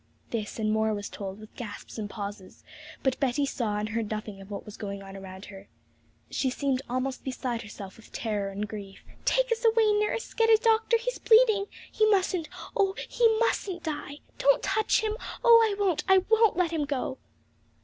This and more was told, with gaps and pauses; but Betty saw and heard nothing of what was going on around her. She seemed almost beside herself with terror and grief. 'Take us away, nurse! Get a doctor! he's bleeding! He mustn't, oh, he mustn't die! Don't touch him! Oh, I won't, I won't let him go!'